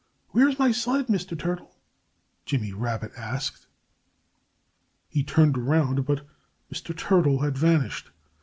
"Where's my sled, Mr. Turtle?" Jimmy Rabbit asked. He turned around. But Mr. Turtle had vanished.